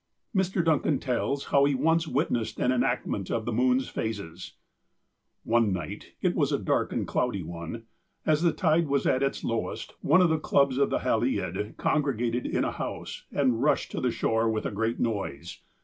1 THE RELIGION OF THE TSIMSHEANS 107 Mr. Duncan tells how he once witnessed an enactment of the moon's phases :" One night — it was a dark and cloudy one, — as the tide was at its lowest, one of the clubs of the ' Hallied ' congregated in a house, and rushed to the shore with a great noise.